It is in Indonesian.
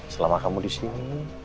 selama kamu di sini